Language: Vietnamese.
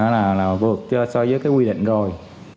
là vượt so với cái quy định rồi